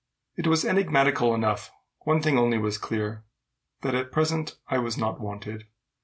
It was enigmatical enough. One thing only was clear, that at present I was not wanted.